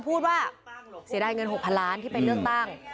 พูดว่าเสียดายเงิน๖๐๐ล้านที่ไปเลือกตั้ง